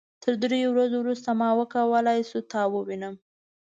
تر دریو ورځو وروسته ما وکولای شو تا ووينم.